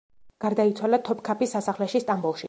გარდაიცვალა თოფქაფის სასახლეში, სტამბოლში.